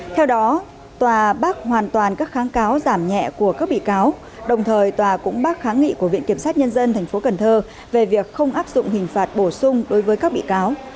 theo đó tòa bác hoàn toàn các kháng cáo giảm nhẹ của các bị cáo đồng thời tòa cũng bác kháng nghị của viện kiểm sát nhân dân tp cần thơ về việc không áp dụng hình phạt bổ sung đối với các bị cáo